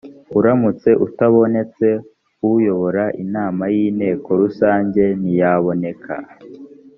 uramutse utabonetse uyobora inama y’inteko rusange ntiyaboneka